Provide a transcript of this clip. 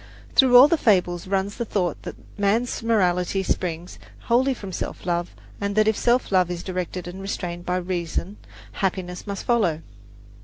Through all the fables runs the thought that man's morality springs wholly from self love, and that if that self love is directed and restrained by reason, happiness must follow.